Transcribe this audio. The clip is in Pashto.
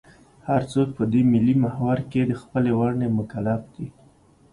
هر څوک په دې ملي محور کې د خپلې ونډې مکلف دی.